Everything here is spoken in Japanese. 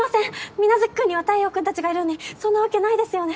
皆月君には太陽君たちがいるのにそんなわけないですよね。